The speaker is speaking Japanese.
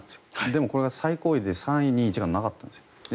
でもこれが最高位で３位、２位、１位じゃなかったんですよ。